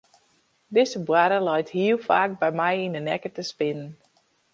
Dizze boarre leit hiel faak by my yn de nekke te spinnen.